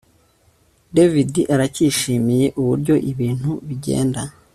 David aracyishimiye uburyo ibintu bigenda